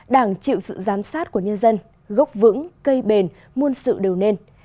đảng chịu sự giám sát của nhân dân gốc vững cây bền muôn sự đều nên